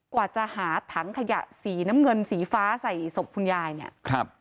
กว่าจะหาถังขยะสีน้ำเงินสีฟ้าใส่ศพคุณยายเนี่ยครับ